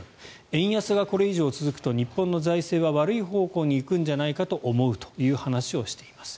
円安がこれ以上続くと日本の財政は悪い方向に行くんじゃないかと思うという話をしています。